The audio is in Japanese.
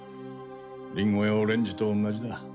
リンゴやオレンジと同じだ。